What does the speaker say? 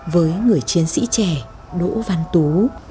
với người chiến sĩ trẻ đỗ văn tú